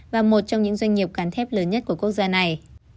và một trong những doanh nghiệp cán thép lớn nhất của quốc gia này